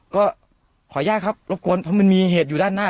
ก็ขออนุญาตครับรบกวนเพราะมันมีเหตุอยู่ด้านหน้า